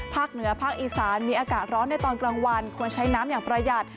เหนือภาคอีสานมีอากาศร้อนในตอนกลางวันควรใช้น้ำอย่างประหยัด